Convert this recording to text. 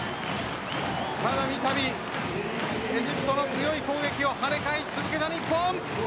三度エジプトの強い攻撃を跳ね返し続けた日本。